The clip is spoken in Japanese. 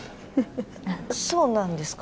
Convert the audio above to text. そうなんですか？